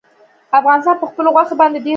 افغانستان په خپلو غوښې باندې ډېر غني دی.